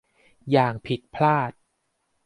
อย่างผิดพลาด